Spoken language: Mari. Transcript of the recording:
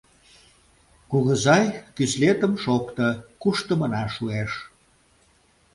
— Кугызай, кӱслетым шокто, куштымына шуэш!